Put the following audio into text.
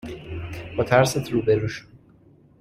با ترسات روبرو شو